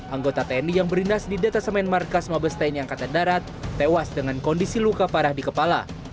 anggota tni yang berindas di detasemen markas mobile station yangkata darat tewas dengan kondisi luka parah di kepala